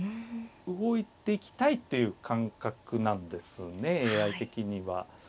動いていきたいっていう感覚なんですねＡＩ的には。